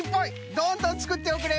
どんどんつくっておくれ！